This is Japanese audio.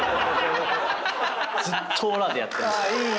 すっとオラでやってました。